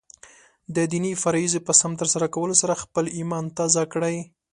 د دیني فریضو په سم ترسره کولو سره خپله ایمان تازه کړئ.